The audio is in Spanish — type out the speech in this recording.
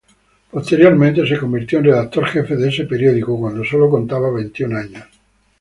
Posteriormente se convirtió en redactor-jefe de ese periódico cuando solo contaba veintiún años.